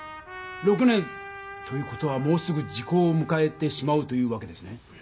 ６年という事はもうすぐ時効をむかえてしまうというわけですね。